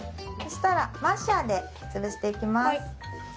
そしたらマッシャーでつぶしていきます。